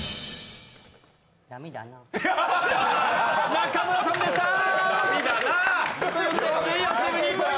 中村さんでしたー！